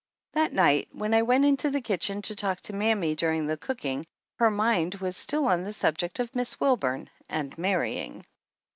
That night when I went into the kitchen to talk to mammy during the cooking her mind was still on the subject of Miss Wilburn and marry ing.